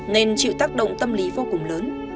nên chịu tác động tâm lý vô cùng lớn